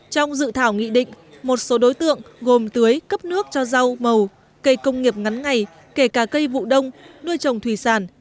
trong dự thảo nghị định một số đối tượng gồm tưới cấp nước cho rau màu cây công nghiệp ngắn ngày kể cả cây vụ đông nuôi trồng thủy sản